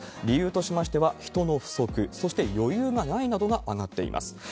理由としましては人の不足、そして余裕がないなどが上がっています。